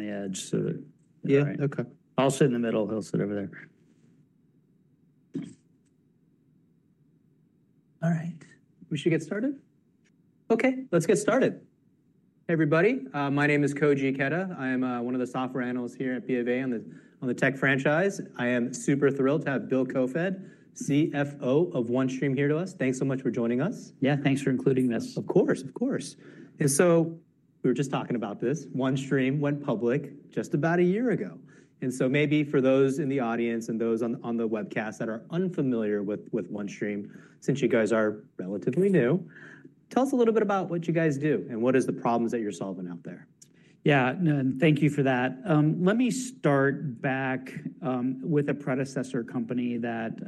We're on the edge, so that. Yeah, okay. I'll sit in the middle. He'll sit over there. All right. We should get started? Okay, let's get started. Hey, everybody. My name is Koji Ikeda. I am one of the software analysts here at BofA on the tech franchise. I am super thrilled to have Bill Koefoed, CFO of OneStream, here to us. Thanks so much for joining us. Yeah, thanks for including us. Of course, of course. We were just talking about this. OneStream went public just about a year ago. Maybe for those in the audience and those on the webcast that are unfamiliar with OneStream, since you guys are relatively new, tell us a little bit about what you guys do and what are the problems that you're solving out there. Yeah, and thank you for that. Let me start back with a predecessor company that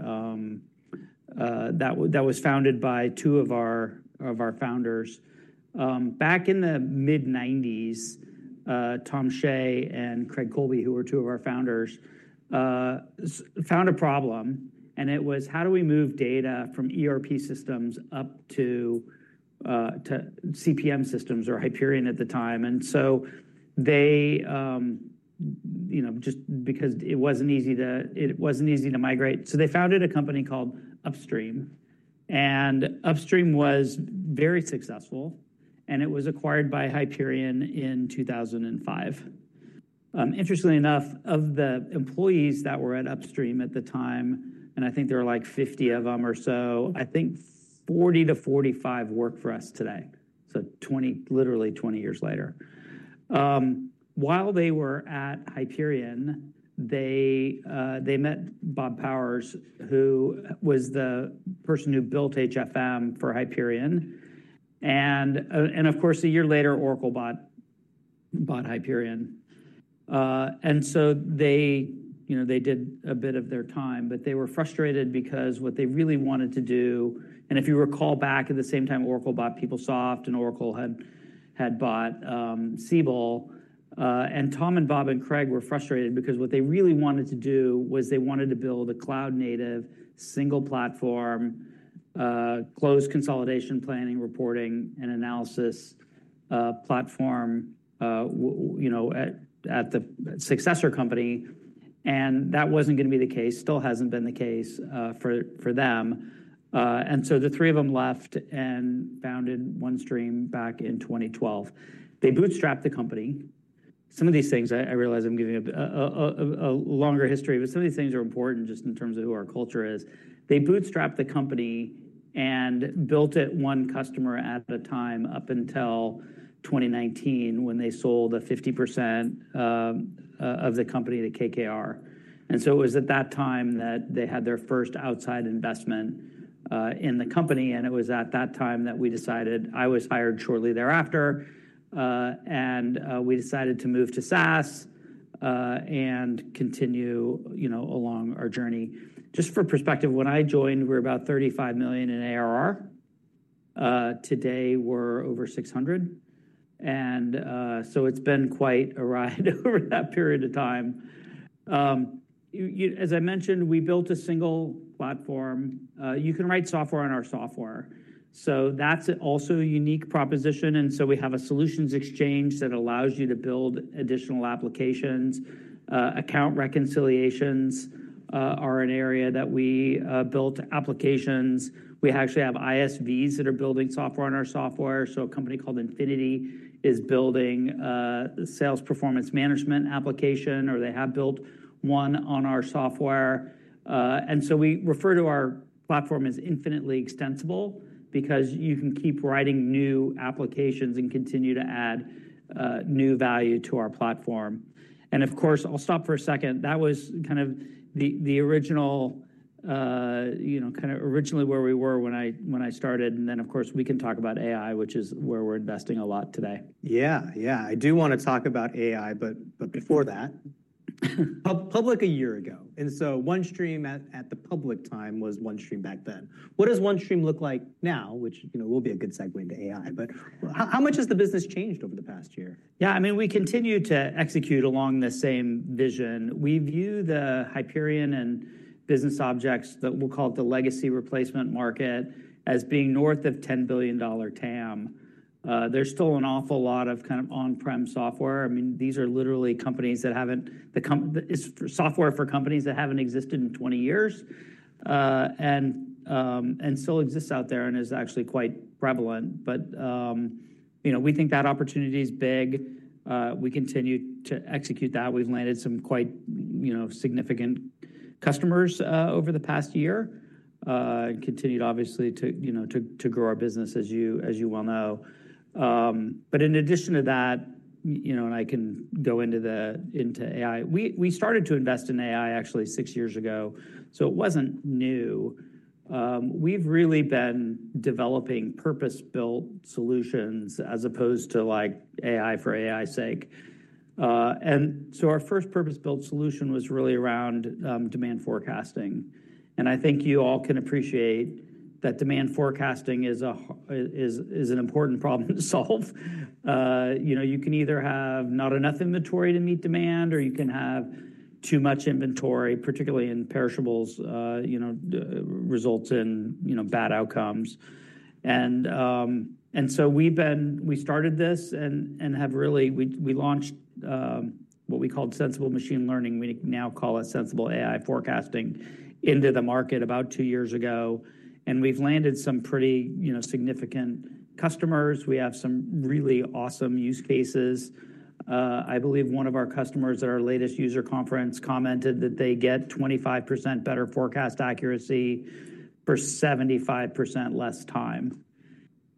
was founded by two of our founders. Back in the mid-1990s, Tom Shea and Craig Colby, who were two of our founders, found a problem. It was, how do we move data from ERP systems up to CPM systems, or Hyperion at the time? They just, because it was not easy to migrate. They founded a company called Upstream. Upstream was very successful. It was acquired by Hyperion in 2005. Interestingly enough, of the employees that were at Upstream at the time, and I think there were like 50 of them or so, I think 40-45 work for us today. Literally 20 years later. While they were at Hyperion, they met Bob Powers, who was the person who built HFM for Hyperion. Of course, a year later, Oracle bought Hyperion. They did a bit of their time. They were frustrated because what they really wanted to do, and if you recall back at the same time, Oracle bought PeopleSoft, and Oracle had bought Siebel. Tom, Bob, and Craig were frustrated because what they really wanted to do was they wanted to build a cloud-native single platform, closed consolidation planning, reporting, and analysis platform at the successor company. That was not going to be the case, still has not been the case for them. The three of them left and founded OneStream back in 2012. They bootstrapped the company. Some of these things, I realize I am giving a longer history, but some of these things are important just in terms of who our culture is. They bootstrapped the company and built it one customer at a time up until 2019 when they sold 50% of the company to KKR. It was at that time that they had their first outside investment in the company. It was at that time that we decided, I was hired shortly thereafter. We decided to move to SaaS and continue along our journey. Just for perspective, when I joined, we were about $35 million in ARR. Today, we're over $600 million. It has been quite a ride over that period of time. As I mentioned, we built a single platform. You can write software on our software. That is also a unique proposition. We have a solutions exchange that allows you to build additional applications. Account reconciliations are an area that we built applications. We actually have ISVs that are building software on our software. A company called Infinity is building a sales performance management application, or they have built one on our software. We refer to our platform as infinitely extensible because you can keep writing new applications and continue to add new value to our platform. Of course, I'll stop for a second. That was kind of the original, kind of originally where we were when I started. Of course, we can talk about AI, which is where we're investing a lot today. Yeah, yeah. I do want to talk about AI, but before that. Public a year ago. And so OneStream at the public time was OneStream back then. What does OneStream look like now, which will be a good segue into AI? How much has the business changed over the past year? Yeah, I mean, we continue to execute along the same vision. We view the Hyperion and BusinessObjects, we'll call it the legacy replacement market, as being north of $10 billion TAM. There's still an awful lot of kind of on-prem software. I mean, these are literally companies that haven't software for companies that haven't existed in 20 years and still exists out there and is actually quite prevalent. We think that opportunity is big. We continue to execute that. We've landed some quite significant customers over the past year and continued, obviously, to grow our business, as you well know. In addition to that, and I can go into AI, we started to invest in AI actually six years ago. It wasn't new. We've really been developing purpose-built solutions as opposed to AI for AI's sake. Our first purpose-built solution was really around demand forecasting. I think you all can appreciate that demand forecasting is an important problem to solve. You can either have not enough inventory to meet demand, or you can have too much inventory, particularly in perishables, which results in bad outcomes. We started this and have really launched what we called Sensible Machine Learning. We now call it SensibleAI Forecasting into the market about two years ago. We have landed some pretty significant customers. We have some really awesome use cases. I believe one of our customers at our latest user conference commented that they get 25% better forecast accuracy for 75% less time.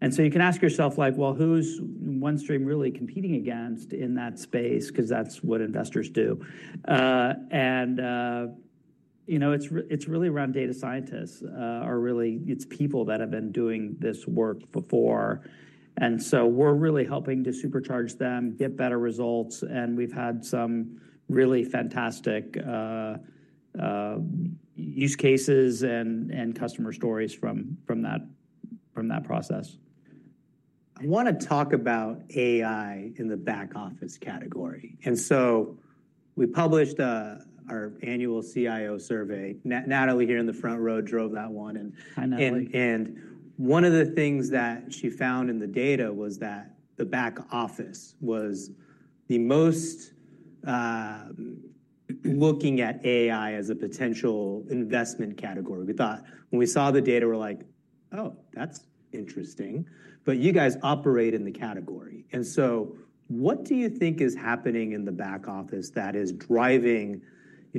You can ask yourself, like, who is OneStream really competing against in that space? That is what investors do. It is really around data scientists. It's people that have been doing this work before. We are really helping to supercharge them, get better results. We have had some really fantastic use cases and customer stories from that process. I want to talk about AI in the back office category. We published our annual CIO survey. Natalie here in the front row drove that one. One of the things that she found in the data was that the back office was the most looking at AI as a potential investment category. We thought when we saw the data, we're like, oh, that's interesting. You guys operate in the category. What do you think is happening in the back office that is driving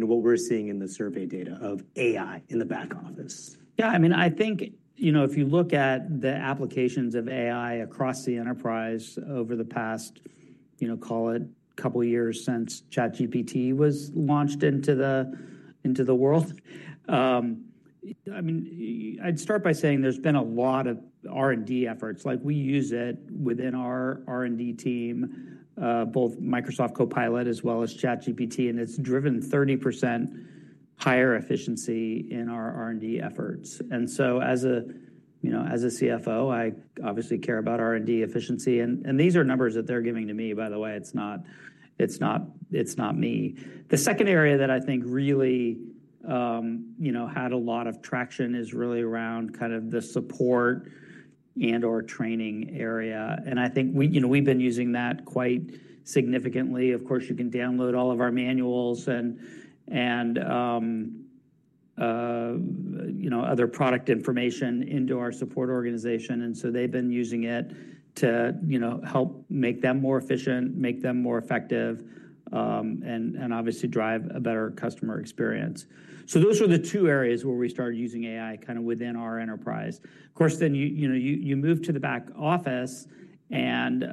what we're seeing in the survey data of AI in the back office? Yeah, I mean, I think if you look at the applications of AI across the enterprise over the past, call it, couple of years since ChatGPT was launched into the world, I mean, I'd start by saying there's been a lot of R&D efforts. We use it within our R&D team, both Microsoft Copilot as well as ChatGPT. It's driven 30% higher efficiency in our R&D efforts. As a CFO, I obviously care about R&D efficiency. These are numbers that they're giving to me, by the way. It's not me. The second area that I think really had a lot of traction is really around kind of the support and/or training area. I think we've been using that quite significantly. Of course, you can download all of our manuals and other product information into our support organization. They've been using it to help make them more efficient, make them more effective, and obviously drive a better customer experience. Those are the two areas where we started using AI kind of within our enterprise. Of course, you move to the back office. There's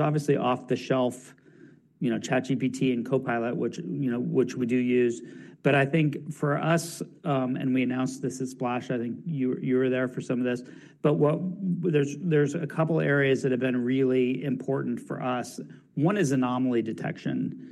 obviously off-the-shelf ChatGPT and Copilot, which we do use. I think for us, and we announced this at Splash, I think you were there for some of this. There's a couple of areas that have been really important for us. One is anomaly detection.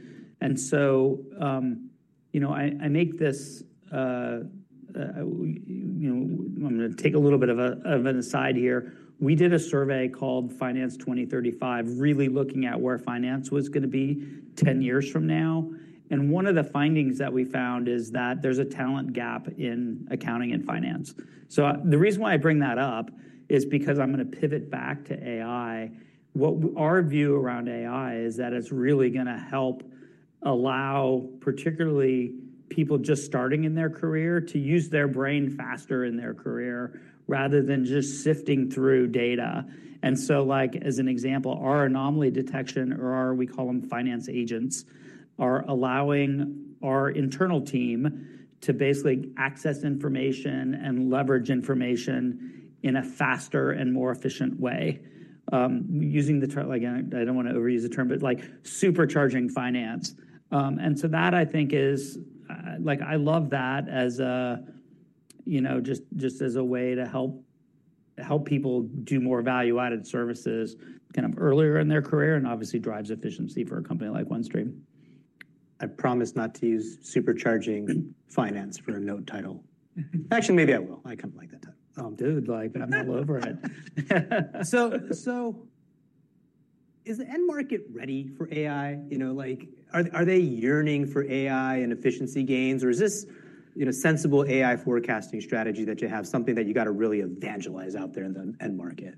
I make this, I'm going to take a little bit of an aside here. We did a survey called Finance 2035, really looking at where finance was going to be 10 years from now. One of the findings that we found is that there's a talent gap in accounting and finance. The reason why I bring that up is because I'm going to pivot back to AI. Our view around AI is that it's really going to help allow particularly people just starting in their career to use their brain faster in their career rather than just sifting through data. As an example, our anomaly detection, or we call them finance agents, are allowing our internal team to basically access information and leverage information in a faster and more efficient way. Using the term, I don't want to overuse the term, but supercharging finance. That, I think, is I love that just as a way to help people do more value-added services kind of earlier in their career and obviously drives efficiency for a company like OneStream. I promise not to use supercharging finance for a note title. Actually, maybe I will. I kind of like that title. Oh, dude, but I'm all over it. Is the end market ready for AI? Are they yearning for AI and efficiency gains? Or is this sensible AI forecasting strategy that you have, something that you've got to really evangelize out there in the end market?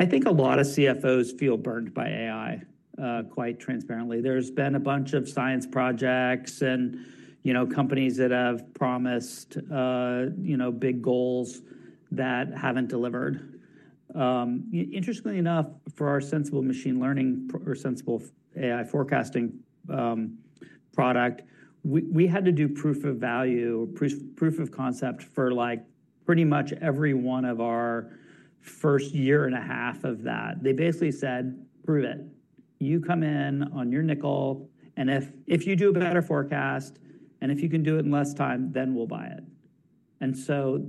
I think a lot of CFOs feel burned by AI, quite transparently. There's been a bunch of science projects and companies that have promised big goals that haven't delivered. Interestingly enough, for our Sensible Machine Learning or SensibleAI Forecasting product, we had to do proof of value, proof of concept for pretty much every one of our first year and a half of that. They basically said, prove it. You come in on your nickel. If you do a better forecast, and if you can do it in less time, then we'll buy it.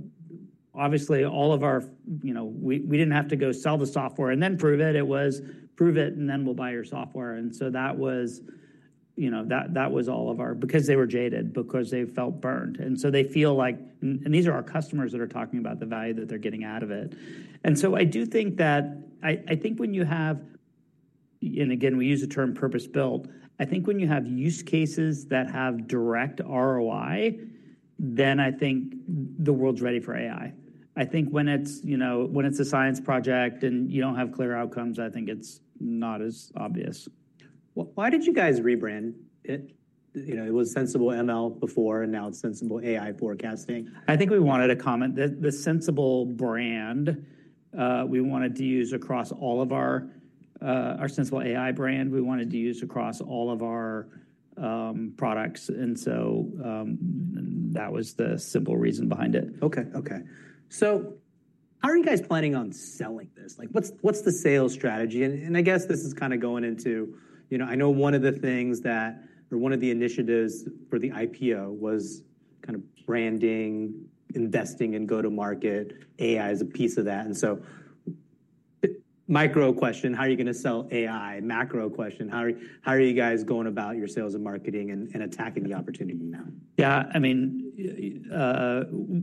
Obviously, we didn't have to go sell the software and then prove it. It was, prove it, and then we'll buy your software. That was all because they were jaded, because they felt burned. They feel like, and these are our customers that are talking about the value that they're getting out of it. I do think that, I think when you have, and again, we use the term purpose-built, I think when you have use cases that have direct ROI, then I think the world's ready for AI. I think when it's a science project and you don't have clear outcomes, I think it's not as obvious. Why did you guys rebrand it? It was Sensible ML before, and now it's SensibleAI Forecasting. I think we wanted to comment that the Sensible brand we wanted to use across all of our SensibleAI brand, we wanted to use on all of our products. That was the simple reason behind it. OK, OK. How are you guys planning on selling this? What's the sales strategy? I guess this is kind of going into I know one of the things that or one of the initiatives for the IPO was kind of branding, investing in go-to-market AI as a piece of that. Micro question, how are you going to sell AI? Macro question, how are you guys going about your sales and marketing and attacking the opportunity now? Yeah, I mean,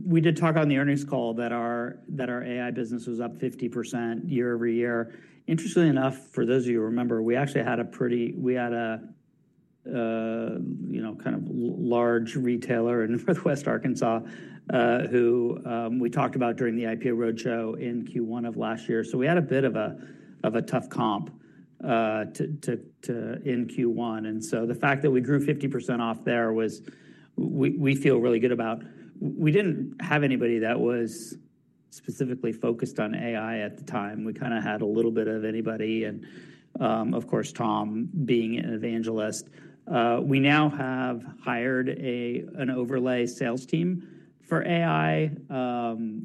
we did talk on the earnings call that our AI business was up 50% year-over-year. Interestingly enough, for those of you who remember, we actually had a pretty, we had a kind of large retailer in Northwest Arkansas who we talked about during the IPO roadshow in Q1 of last year. We had a bit of a tough comp in Q1. The fact that we grew 50% off there was, we feel really good about. We did not have anybody that was specifically focused on AI at the time. We kind of had a little bit of anybody, and of course, Tom being an evangelist. We now have hired an overlay sales team for AI,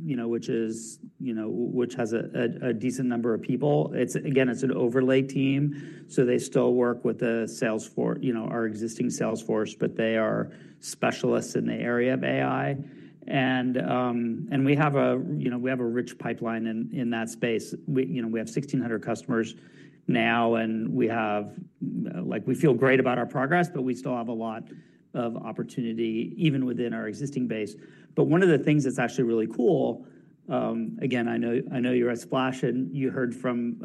which has a decent number of people. Again, it is an overlay team. They still work with our existing sales force, but they are specialists in the area of AI. We have a rich pipeline in that space. We have 1,600 customers now. We feel great about our progress, but we still have a lot of opportunity even within our existing base. One of the things that's actually really cool again, I know you're at Splash, and you heard from,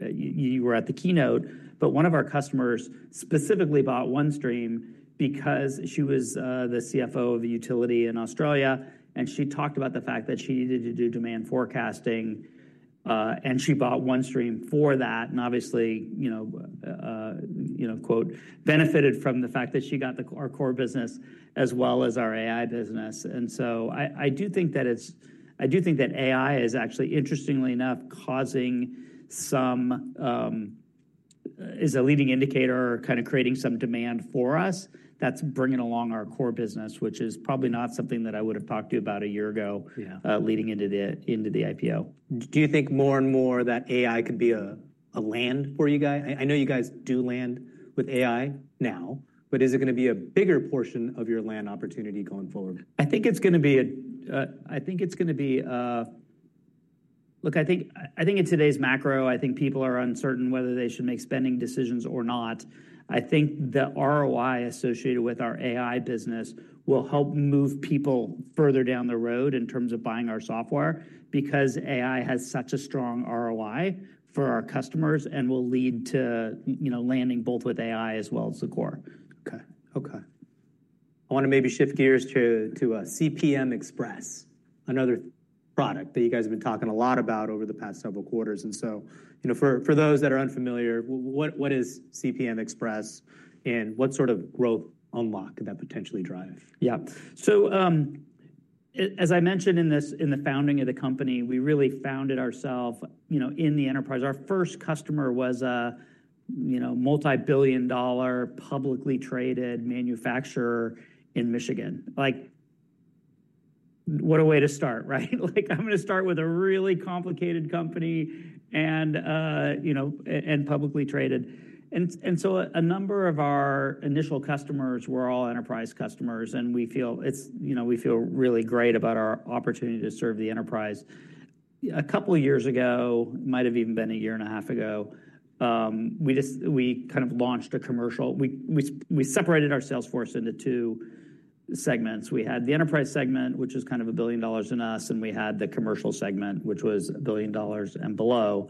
you were at the keynote. One of our customers specifically bought OneStream because she was the CFO of a utility in Australia. She talked about the fact that she needed to do demand forecasting. She bought OneStream for that. Obviously, she benefited from the fact that she got our core business as well as our AI business. I do think that AI is actually, interestingly enough, causing some, is a leading indicator, kind of creating some demand for us that's bringing along our core business, which is probably not something that I would have talked to you about a year ago leading into the IPO. Do you think more and more that AI could be a land for you guys? I know you guys do land with AI now. Is it going to be a bigger portion of your land opportunity going forward? I think it's going to be, I think it's going to be, look, I think in today's macro, I think people are uncertain whether they should make spending decisions or not. I think the ROI associated with our AI business will help move people further down the road in terms of buying our software because AI has such a strong ROI for our customers and will lead to landing both with AI as well as the core. OK, OK. I want to maybe shift gears to CPM Express, another product that you guys have been talking a lot about over the past several quarters. For those that are unfamiliar, what is CPM Express and what sort of growth unlock could that potentially drive? Yeah. As I mentioned in the founding of the company, we really founded ourselves in the enterprise. Our first customer was a multi-billion dollar publicly traded manufacturer in Michigan. What a way to start, right? I'm going to start with a really complicated company and publicly traded. A number of our initial customers were all enterprise customers. We feel really great about our opportunity to serve the enterprise. A couple of years ago, it might have even been a year and a half ago, we kind of launched a commercial. We separated our Salesforce into two segments. We had the enterprise segment, which was kind of a billion dollars and up. We had the commercial segment, which was a billion dollars and below,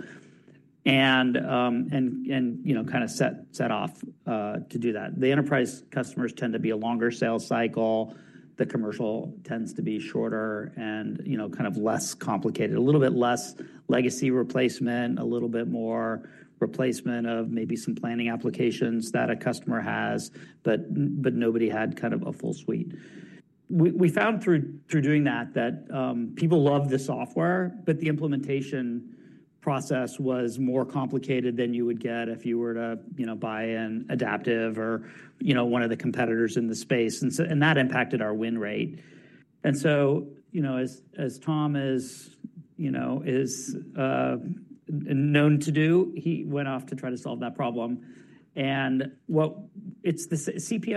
and kind of set off to do that. The enterprise customers tend to be a longer sales cycle. The commercial tends to be shorter and kind of less complicated, a little bit less legacy replacement, a little bit more replacement of maybe some planning applications that a customer has. Nobody had kind of a full suite. We found through doing that that people love the software, but the implementation process was more complicated than you would get if you were to buy an Adaptive or one of the competitors in the space. That impacted our win rate. As Tom is known to do, he went off to try to solve that problem. CPM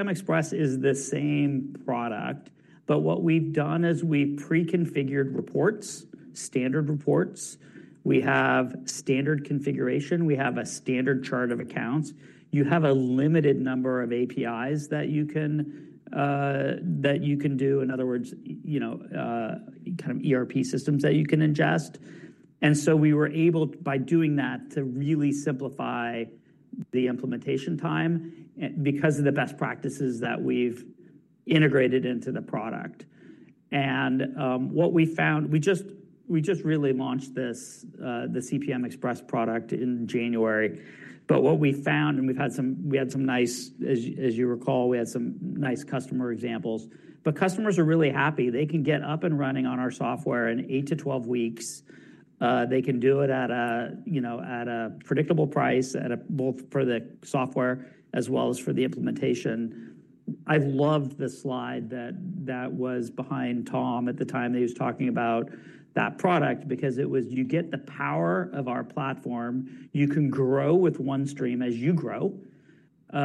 Express is the same product. What we have done is we have pre-configured reports, standard reports. We have standard configuration. We have a standard chart of accounts. You have a limited number of APIs that you can do, in other words, kind of ERP systems that you can ingest. We were able, by doing that, to really simplify the implementation time because of the best practices that we've integrated into the product. What we found—we just really launched the CPM Express product in January. What we found, and we had some nice, as you recall, we had some nice customer examples. Customers are really happy. They can get up and running on our software in 8-12 weeks. They can do it at a predictable price, both for the software as well as for the implementation. I loved the slide that was behind Tom at the time that he was talking about that product because it was, you get the power of our platform. You can grow with OneStream as you grow. You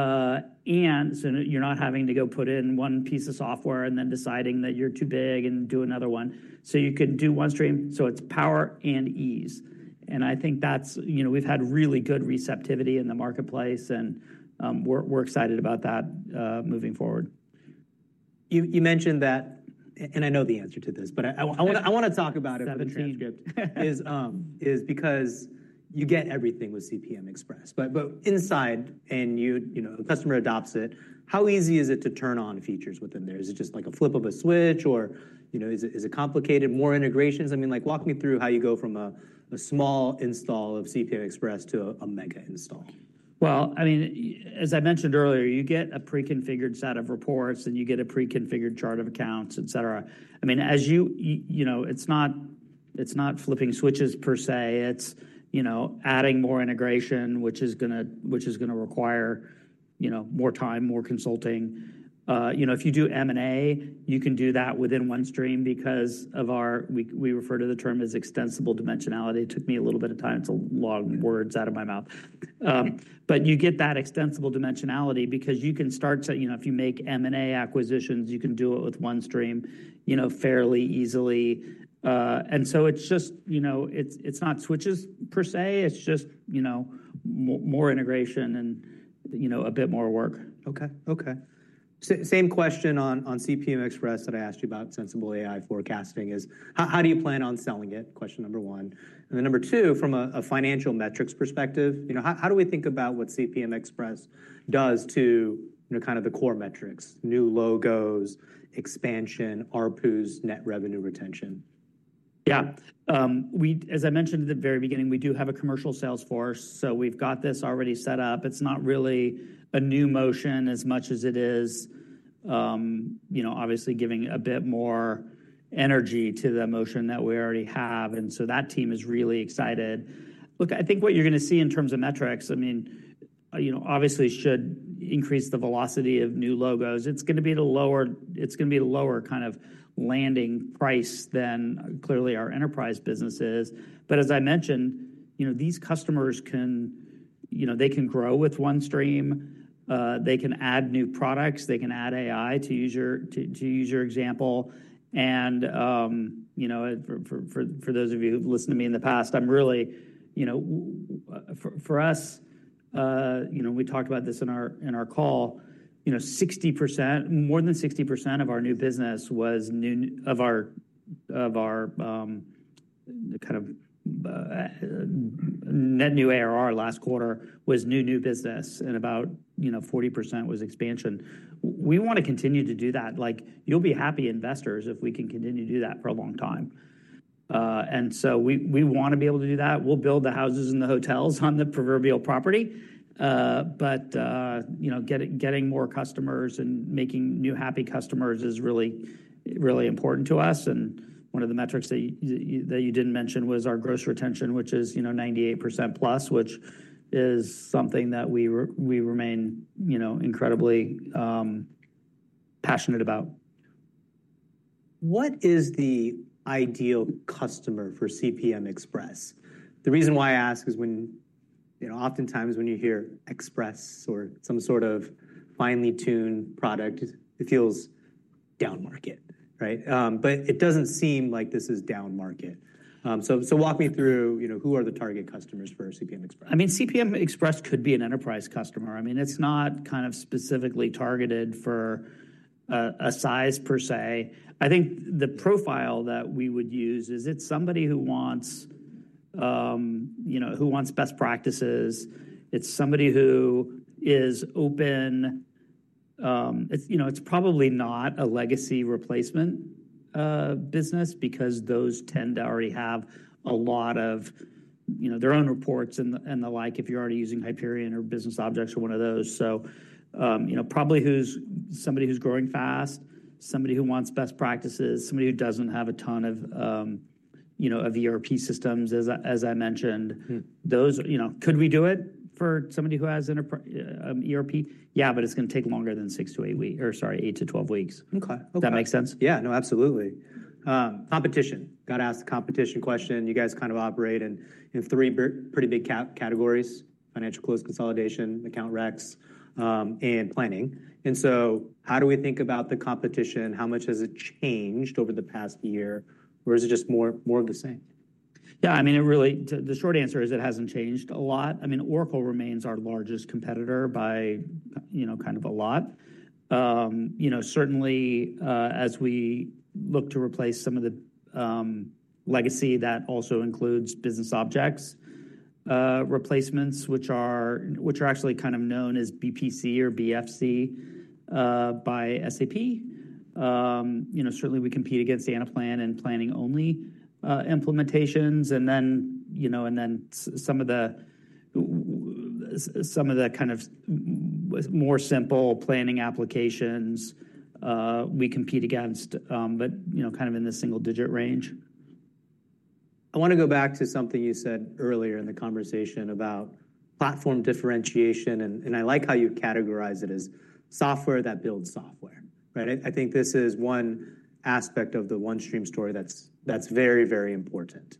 are not having to go put in one piece of software and then deciding that you are too big and do another one. You can do OneStream. It is power and ease. I think that is why we have had really good receptivity in the marketplace. We are excited about that moving forward. You mentioned that, and I know the answer to this, but I want to talk about it with the transcript, is because you get everything with CPM Express. But inside, and the customer adopts it, how easy is it to turn on features within there? Is it just like a flip of a switch? Or is it complicated? More integrations? I mean, walk me through how you go from a small install of CPM Express to a mega install? I mean, as I mentioned earlier, you get a pre-configured set of reports, and you get a pre-configured chart of accounts, et cetera. I mean, it's not flipping switches per se. It's adding more integration, which is going to require more time, more consulting. If you do M&A, you can do that within OneStream because of our, we refer to the term as extensible dimensionality. It took me a little bit of time. It's a lot of words out of my mouth. But you get that extensible dimensionality because you can start to, if you make M&A acquisitions, you can do it with OneStream fairly easily. It's just, it's not switches per se. It's just more integration and a bit more work. OK, OK. Same question on CPM Express that I asked you about SensibleAI forecasting is, how do you plan on selling it? Question number one. And then number two, from a financial metrics perspective, how do we think about what CPM Express does to kind of the core metrics, new logos, expansion, ARPUs, net revenue retention? Yeah. As I mentioned at the very beginning, we do have a commercial sales force. So we've got this already set up. It's not really a new motion as much as it is obviously giving a bit more energy to the motion that we already have. That team is really excited. Look, I think what you're going to see in terms of metrics, I mean, obviously should increase the velocity of new logos. It's going to be a lower kind of landing price than clearly our enterprise business is. As I mentioned, these customers can grow with OneStream. They can add new products. They can add AI, to use your example. For those of you who've listened to me in the past, I'm really, for us, we talked about this in our call, 60%—more than 60%—of our new business was new, of our kind of net new ARR last quarter was new, new business. About 40% was expansion. We want to continue to do that. You'll be happy investors if we can continue to do that for a long time. We want to be able to do that. We'll build the houses and the hotels on the proverbial property. Getting more customers and making new happy customers is really, really important to us. One of the metrics that you didn't mention was our gross retention, which is 98%+, which is something that we remain incredibly passionate about. What is the ideal customer for CPM Express? The reason why I ask is when oftentimes when you hear Express or some sort of finely tuned product, it feels down market, right? It does not seem like this is down market. Walk me through who are the target customers for CPM Express? I mean, CPM Express could be an enterprise customer. I mean, it's not kind of specifically targeted for a size per se. I think the profile that we would use is it's somebody who wants best practices. It's somebody who is open, it's probably not a legacy replacement business because those tend to already have a lot of their own reports and the like if you're already using Hyperion or BusinessObjects or one of those. Probably somebody who's growing fast, somebody who wants best practices, somebody who doesn't have a ton of ERP systems, as I mentioned. Could we do it for somebody who has ERP? Yeah, but it's going to take longer than 6-8 weeks or sorry, 8-12 weeks. Does that make sense? Yeah, no, absolutely. Competition. Got to ask the competition question. You guys kind of operate in three pretty big categories: financial close, consolidation, account recs, and planning. How do we think about the competition? How much has it changed over the past year? Is it just more of the same? Yeah, I mean, the short answer is it hasn't changed a lot. I mean, Oracle remains our largest competitor by kind of a lot. Certainly, as we look to replace some of the legacy, that also includes BusinessObjects replacements, which are actually kind of known as BPC or BFC by SAP. Certainly, we compete against Anaplan in planning-only implementations. And then some of the kind of more simple planning applications, we compete against, but kind of in the single-digit range. I want to go back to something you said earlier in the conversation about platform differentiation. I like how you categorize it as software that builds software, right? I think this is one aspect of the OneStream story that's very, very important.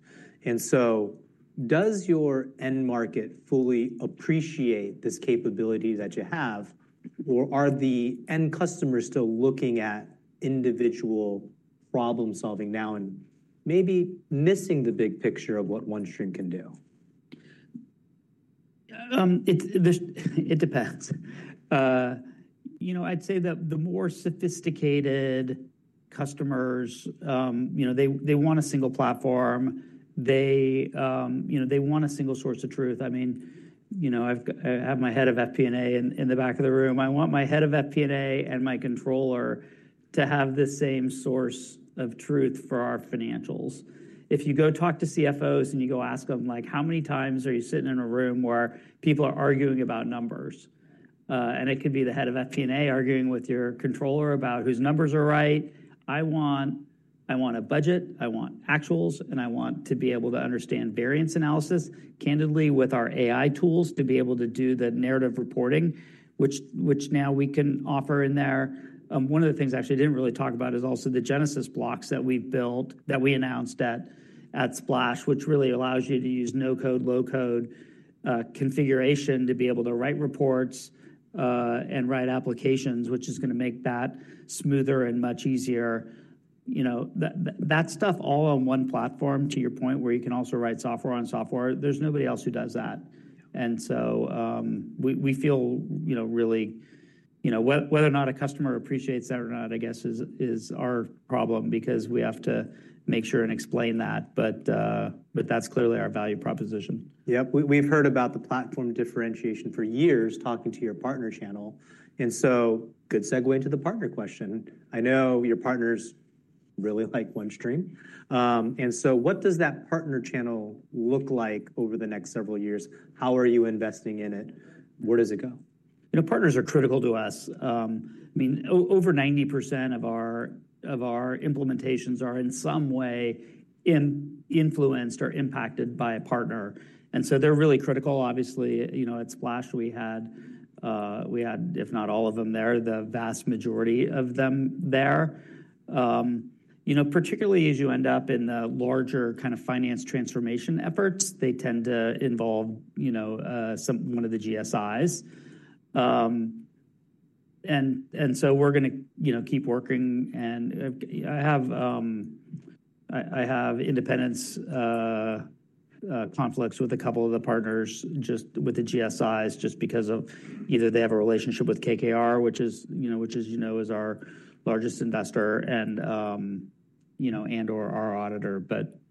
Does your end market fully appreciate this capability that you have? Or are the end customers still looking at individual problem-solving now and maybe missing the big picture of what OneStream can do? It depends. I'd say that the more sophisticated customers, they want a single platform. They want a single source of truth. I mean, I have my Head of FP&A in the back of the room. I want my Head of FP&A and my Controller to have the same source of truth for our financials. If you go talk to CFOs and you go ask them, like, how many times are you sitting in a room where people are arguing about numbers? It could be the Head of FP&A arguing with your Controller about whose numbers are right. I want a budget. I want actuals. I want to be able to understand variance analysis, candidly, with our AI tools to be able to do the narrative reporting, which now we can offer in there. One of the things I actually didn't really talk about is also the Genesis blocks that we've built that we announced at Splash, which really allows you to use no-code, low-code configuration to be able to write reports and write applications, which is going to make that smoother and much easier. That stuff all on one platform, to your point, where you can also write software on software, there's nobody else who does that. We feel really whether or not a customer appreciates that or not, I guess, is our problem because we have to make sure and explain that. That is clearly our value proposition. Yep. We've heard about the platform differentiation for years talking to your partner channel. Good segue into the partner question. I know your partners really like OneStream. What does that partner channel look like over the next several years? How are you investing in it? Where does it go? Partners are critical to us. I mean, over 90% of our implementations are in some way influenced or impacted by a partner. They are really critical. Obviously, at Splash, we had, if not all of them there, the vast majority of them there. Particularly as you end up in the larger kind of finance transformation efforts, they tend to involve one of the GSIs. We are going to keep working. I have independence conflicts with a couple of the partners just with the GSIs just because of either they have a relationship with KKR, which is our largest investor and/or our auditor.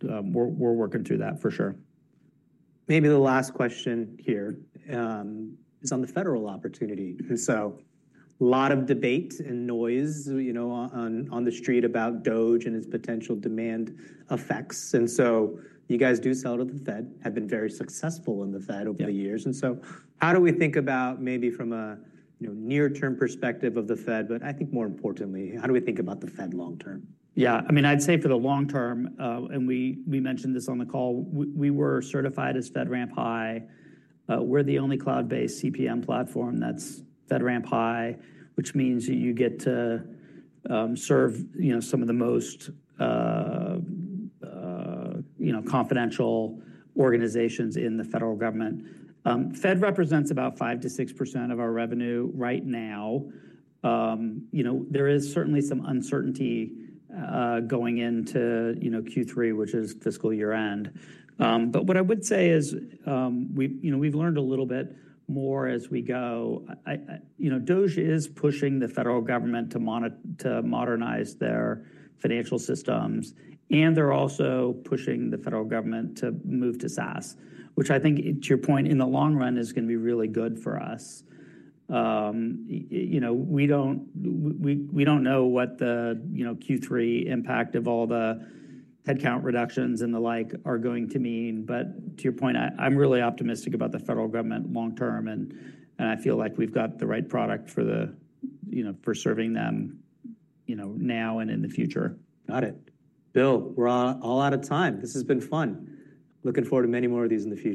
We are working through that for sure. Maybe the last question here is on the federal opportunity. A lot of debate and noise on the street about DOGE and its potential demand effects. You guys do sell to the Fed, have been very successful in the Fed over the years. How do we think about maybe from a near-term perspective of the Fed? I think more importantly, how do we think about the Fed long term? Yeah, I mean, I'd say for the long term, and we mentioned this on the call, we were certified as FedRAMP High. We're the only cloud-based CPM platform that's FedRAMP High, which means you get to serve some of the most confidential organizations in the federal government. Fed represents about 5%-6% of our revenue right now. There is certainly some uncertainty going into Q3, which is fiscal year end. What I would say is we've learned a little bit more as we go. DOGE is pushing the federal government to modernize their financial systems. They're also pushing the federal government to move to SaaS, which I think, to your point, in the long run is going to be really good for us. We don't know what the Q3 impact of all the headcount reductions and the like are going to mean. To your point, I'm really optimistic about the federal government long term. I feel like we've got the right product for serving them now and in the future. Got it. Bill, we're all out of time. This has been fun. Looking forward to many more of these in the future.